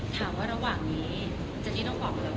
ถามว่าระหว่างนี้